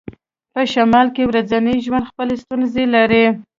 په شمال کې ورځنی ژوند خپلې ستونزې لري